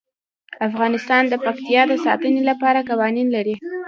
افغانستان د پکتیا د ساتنې لپاره قوانین لري.